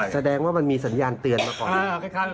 แสดงว่ามันมีสัญญาณเตือนมาก่อน